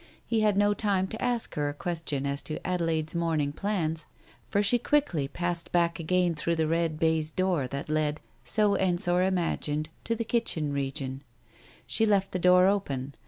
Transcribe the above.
He had no time to ask her a question as to Adelaide's morning plans, for she quickly passed back again through the red baize door that led, so Ensor imagined, to the kitchen region. She left the door open.